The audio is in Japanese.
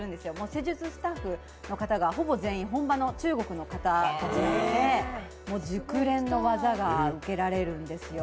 施術スタッフの方がほぼ全員中国の方で熟練の技が受けられるんですよ。